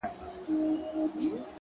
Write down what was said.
• تک سپين کالي کړيدي؛